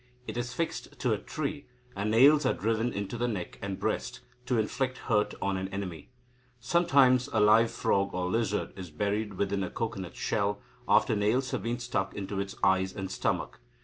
It is fixed to a tree, and nails are driven into the neck and breast, to inflict hurt on an enemy. Sometimes a live frog or lizard is buried within a cocoanut shell, after nails have been stuck into its eyes and stomach.